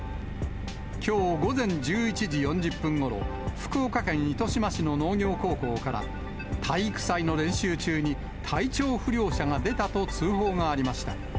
きょう午前１１時４０分ごろ、福岡県糸島市の農業高校から、体育祭の練習中に体調不良者が出たと通報がありました。